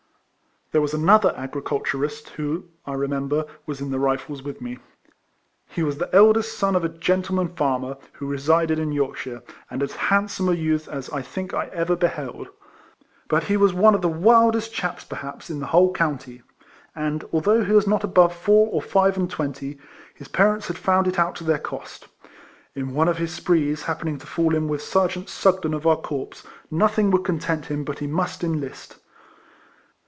There was another agriculturist who, I remember, was in the Ivifles with me. He was the eldest son of a gentleman farmer, ■vvho resided in Yorkshire, and as handsome a youth as I think I ever beheld ; but he was one of the wildest chaps, perhaps, in the whole county, and, although he was not above four or five and twenty, his parents had found it out to their cost. In one of his sprees, happening to fall in with Ser geant Sugden of our corps, nothing would content him but he must enlist.